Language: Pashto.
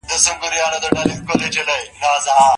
د مرتد سزا د دیني حدودو برخه ده.